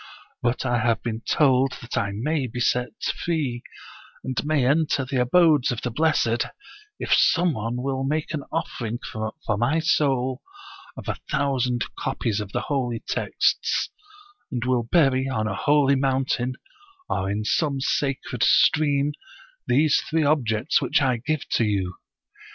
But I have been told that I may be set free, and may enter the abodes of the blessed, if some one will make an offering for my soul of a thousand copies of 20 The Power of Eloquence die holy texts, and will bury on a holy mountain or in some sacred stream these three objects which I give to you.